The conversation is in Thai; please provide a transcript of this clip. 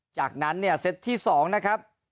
จากนั้นเนี่ยเซตที่๒นะครับ